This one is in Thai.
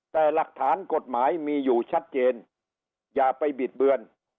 แต่หลักฐานกฎหมายมีอยู่ชัดเจนอย่าไปบิดเบือน